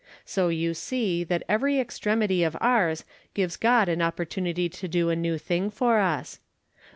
So you see that every extremity of ours gives God an opportunity to do a new thing for us.